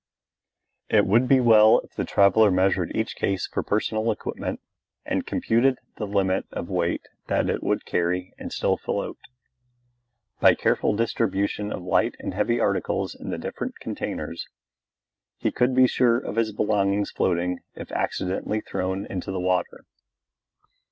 It would be well if the traveller measured each case for personal equipment and computed the limit of weight that it could carry and still float. By careful distribution of light and heavy articles in the different containers, he could be sure of his belongings floating if accidentally thrown into the water.